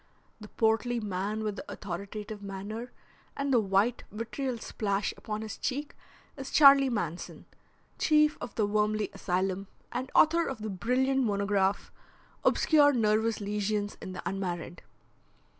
The portly man with the authoritative manner and the white, vitriol splash upon his cheek is Charley Manson, chief of the Wormley Asylum, and author of the brilliant monograph Obscure Nervous Lesions in the Unmarried.